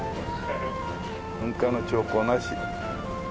噴火の兆候なし。